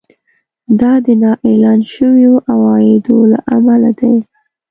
دا د نااعلان شويو عوایدو له امله دی